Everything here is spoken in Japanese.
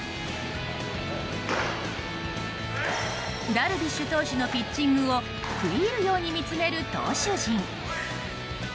ダルビッシュ投手のピッチングを食い入るように見つめる投手陣。